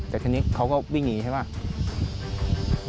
แต่ทีนี้เขาก็วิ่งหนีใช่ไหม